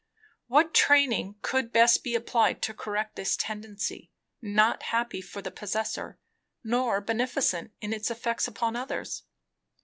What training could best be applied to correct this tendency, not happy for the possessor, nor beneficent in its effects upon others?